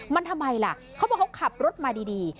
มันทำไมล่ะเขาบอกเขาขับรถมาดี